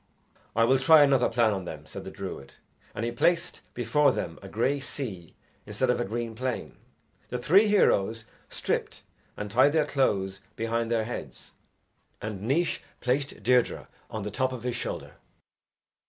"I will try another plan on them," said the druid; and he placed before them a grey sea instead of a green plain. The three heroes stripped and tied their clothes behind their heads, and Naois placed Deirdre on the top of his shoulder.